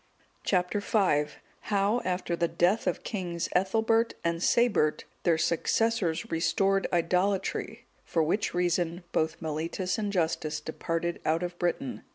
(189) Chap. V. How, after the death of the kings Ethelbert and Sabert, their successors restored idolatry; for which reason, both Mellitus and Justus departed out of Britain.